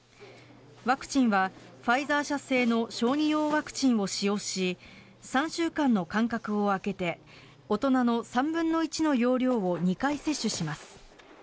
ワクチンはファイザー社製の小児用ワクチンを使用し３週間の間隔を空けて大人の３分の１の用量を２回接種します。